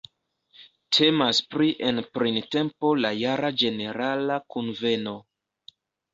Temas pri en printempo la jara ĝenerala kunveno.